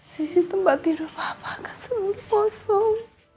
sisi tempat tidur papa akan selalu kosong